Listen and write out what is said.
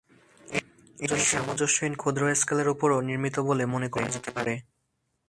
এটি সামঞ্জস্যহীন ক্ষুদ্র স্কেলের উপরও নির্মিত বলে মনে করা যেতে পারে।